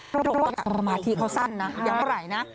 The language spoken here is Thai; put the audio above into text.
ประมาทที่เขาสั้นนะยังเท่าไหร่นะ